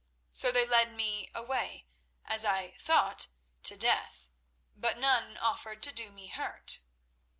So they led me away, as I thought, to death, but none offered to do me hurt.